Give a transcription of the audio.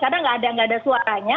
karena tidak ada suaranya